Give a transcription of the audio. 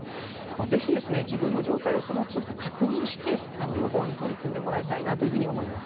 ぜひ自分の状態をそのつど確認して予防に取り組んでもらいたいなと思います。